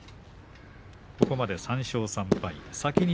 ここまで３勝３敗